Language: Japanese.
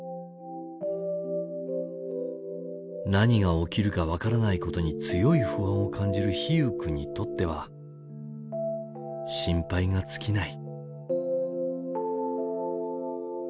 何が起きるか分からないことに強い不安を感じる陽友君にとっては心配がつきない。